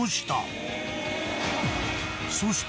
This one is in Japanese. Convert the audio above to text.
そして。